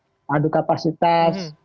adu kapasitas adu kapasitas adu kapasitas